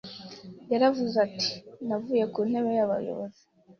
Yaravuze ati “navuye ku ntebe y’abayobozi